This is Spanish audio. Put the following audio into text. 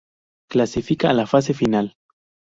Clasifica a la fase final.